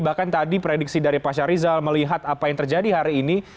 bahkan tadi prediksi dari pak syarizal melihat apa yang terjadi hari ini